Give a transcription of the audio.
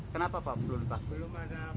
kenapa pak belum pak